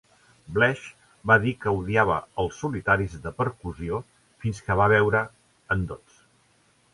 Blesh va dir que odiava els solitaris de percussió fins que va veure en Dodds.